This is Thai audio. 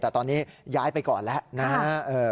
แต่ตอนนี้ย้ายไปก่อนแล้วนะฮะ